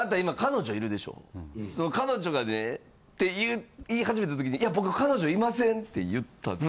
「その彼女がね」って言い始めた時に「いや僕彼女いません」って言ったんです。